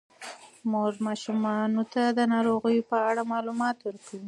مور ماشومانو ته د ناروغیو په اړه معلومات ورکوي.